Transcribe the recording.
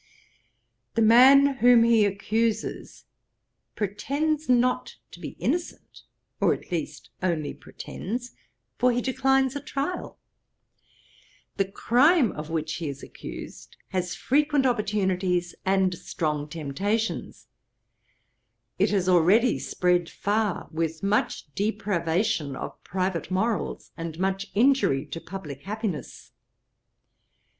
The man whom he accuses pretends not to be innocent; or at least only pretends; for he declines a trial. The crime of which he is accused has frequent opportunities and strong temptations. It has already spread far, with much depravation of private morals, and much injury to publick happiness.